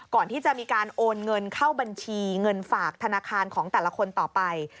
ก่อนที่จะมีการโอนเงินเข้าบัญชีเงินฝากธนาคารของแต่ละคนต่อไป